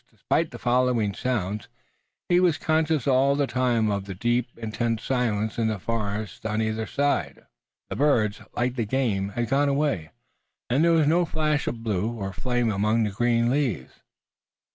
Despite the following sounds he was conscious all the time of the deep, intense silence in the forest on either side of him. The birds, like the game, had gone away, and there was no flash of blue or of flame among the green leaves.